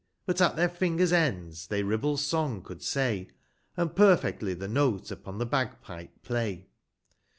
But at their fingers' ends, they lUhheVs Song could, say, 145 And perfectly the note upon the Bag pipe play.